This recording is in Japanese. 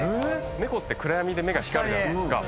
猫って暗闇で目が光るじゃないですか。